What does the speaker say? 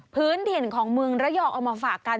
พื้นถิ่นของเมืองระยองเอามาฝากกัน